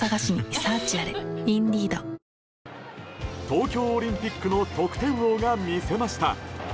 東京オリンピックの得点王が見せました。